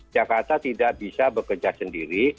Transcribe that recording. jakarta tidak bisa bekerja sendiri